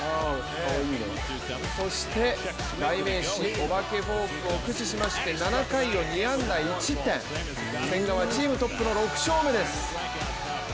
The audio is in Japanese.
そして、代名詞・お化けフォークを駆使しまして７回を２安打１失点、千賀はチームトップの６勝目です。